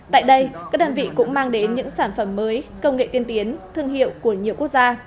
tại đây các đơn vị cũng mang đến những sản phẩm mới công nghệ tiên tiến thương hiệu của nhiều quốc gia